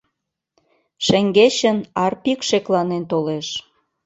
Шеҥгечын Арпик шекланен толеш.